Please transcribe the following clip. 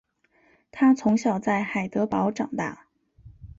他从小在海德堡长大。